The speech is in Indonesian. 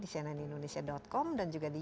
di cnnindonesia com dan juga di